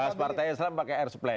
bahas partai islam pakai air supply